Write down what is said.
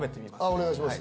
お願いします